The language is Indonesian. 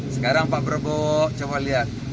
sekarang pak prabowo coba lihat